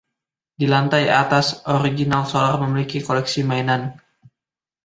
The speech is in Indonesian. Di lantai atas, original solar memiliki koleksi mainan.